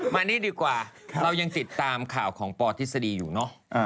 มานี่ดีกว่าเรายังติดตามข่าวของปทฤษฎีอยู่เนอะ